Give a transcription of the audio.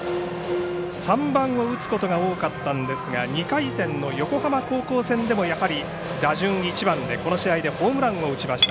３番を打つことが多かったんですが２回戦の横浜高校戦でもやはり打順１番で、この試合でホームランを打ちました。